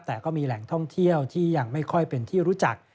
แต่ก็มีแหล่งท่องเที่ยวที่ยังไม่ค่อยเป็นที่รู้จัก